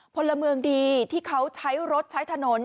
พลเมืองดีที่เขาใช้รถใช้ถนน